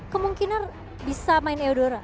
kemungkinan bisa main eudora